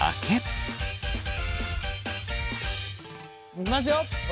いきますよ。